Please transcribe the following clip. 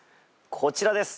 こちらです。